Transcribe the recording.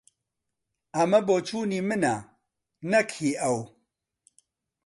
ئەمە بۆچوونی منە، نەک هی ئەو.